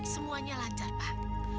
semuanya lancar pak